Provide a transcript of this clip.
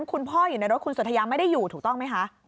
คุณพ่ออยู่ในรถคุณสัทยาไม่ได้อยู่ถูกต้องไหมคะ